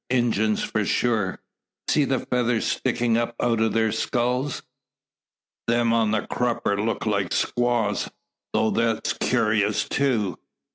Injuns, for sure. See the feathers stickin' up out o' their skulls! Them on the krupper look like squaws; though that's kewrous too.